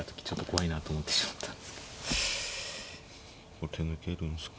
これ手抜けるんすか？